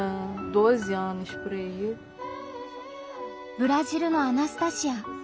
ブラジルのアナスタシア。